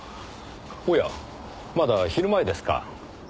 おやまだ昼前ですか。